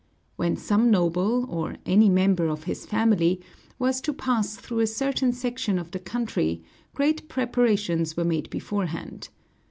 When some noble, or any member of his family, was to pass through a certain section of the country, great preparations were made beforehand.